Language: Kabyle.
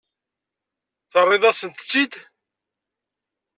Terriḍ-asent-tt-id?